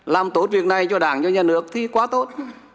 làm tốt việc này cho đảng cho nhà nước thì quá tốt